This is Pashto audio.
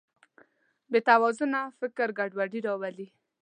بېتوازنه فکر ګډوډي راولي.